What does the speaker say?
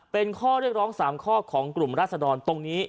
เป็นข้อเรียกร้อง๓ข้อของกลุ่มราศดรตรงนี้